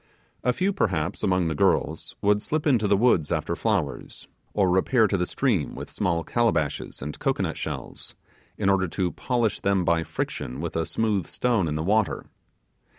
A few, perhaps, among the girls, would slip into the woods after flowers, or repair to the stream will; small calabashes and cocoanut shells, in order to polish them by friction with a smooth stone in the water.